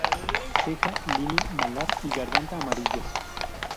Ceja, línea malar, y garganta: amarillos.